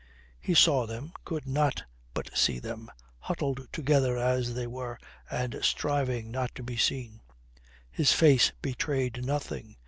He saw them, could not but see them, huddled together as they were and striving not to be seen. His face betrayed nothing.